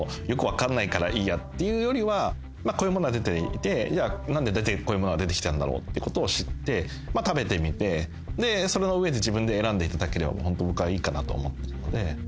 「よく分かんないからいいや」っていうよりはこういうものが出ていて何でこういうものが出てきたんだろうってことを知って食べてみてその上で自分で選んでいただければホント僕はいいかなと思っているので。